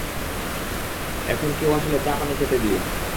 এখন কেউ আসলে চা-পানি খেতে দিও।